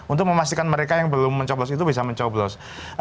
untuk memastikan mereka yang belum mencoblos itu bisa mencoblos